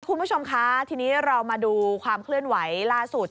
คุณผู้ชมคะทีนี้เรามาดูความเคลื่อนไหวล่าสุด